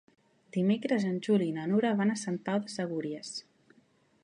Dimecres en Juli i na Nura van a Sant Pau de Segúries.